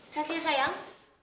selamat ya sayang